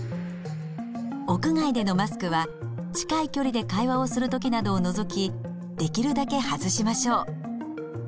屋外でのマスクは近い距離で会話をする時などを除きできるだけ外しましょう。